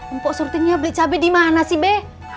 empok surti beli cabai dimana sih be